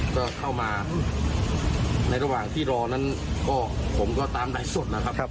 ก็เข้ามาในระหว่างที่รอนั้นก็ผมก็ตามไลฟ์สดนะครับ